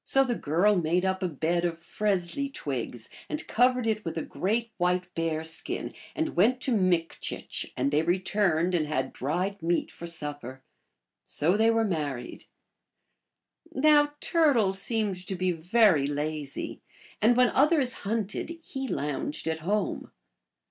the girl made up a bed of fresli twigs and covered it with a great white bear skin, and went to Mikchich, and they returned and had dried meat for supper. So they were married. Now Turtle seemed to be very lazy, and when others hunted he lounged at home.